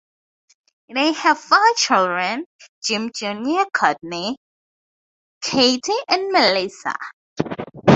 They have four children, Jim Junior Courtney, Katie and Melissa.